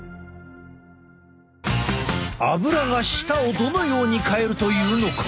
アブラが舌をどのように変えるというのか？